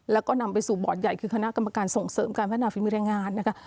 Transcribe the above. แล้วก็นำไปสู่บอร์ดใหญ่คือคณะกรรมการส่งเสริมการพัฒนาฝีมือแรงงานนะคะ